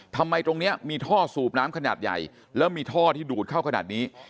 ทำไมตรงนี้มีท่อสูบน้ำขนาดใหญ่แล้วมีท่อที่ดูดเข้าขนาดนี้